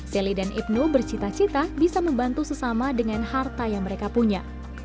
sally dan ibnu bercita cita bisa membantu sesama dengan harta yang mereka punya